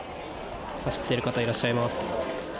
走っている方いらっしゃいます。